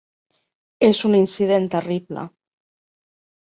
És un incident terrible.